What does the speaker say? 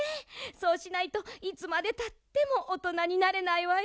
そうしないといつまでたってもおとなになれないわよ。